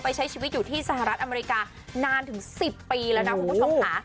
ใช้ชีวิตอยู่ที่สหรัฐอเมริกานานถึง๑๐ปีแล้วนะคุณผู้ชมค่ะ